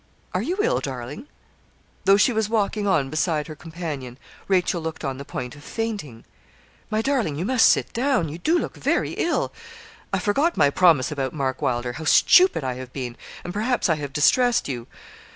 Are you ill, darling?' Though she was walking on beside her companion, Rachel looked on the point of fainting. 'My darling, you must sit down; you do look very ill. I forgot my promise about Mark Wylder. How stupid I have been! and perhaps I have distressed you.'